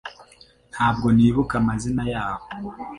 Ntabwo nibuka amazina yabo